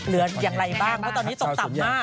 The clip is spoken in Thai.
เหลืออย่างไรบ้างเพราะตอนนี้ตกต่ำมาก